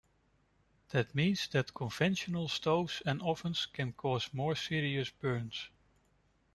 That means that conventional stoves and ovens can cause more serious burns.